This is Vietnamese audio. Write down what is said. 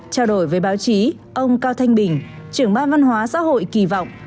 trao đổi với báo chí ông cao thanh bình trưởng ban văn hóa xã hội kỳ vọng